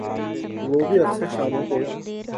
وہ بھی اکثر شاموں کو۔